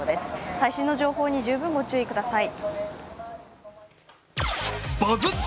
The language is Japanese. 最新の情報に十分ご注意ください。